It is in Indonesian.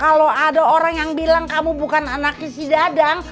kalau ada orang yang bilang kamu bukan anaknya si dadang